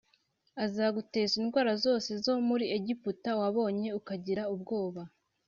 Azaguteza indwara zose zo muri Egiputa wabonye ukagira ubwoba,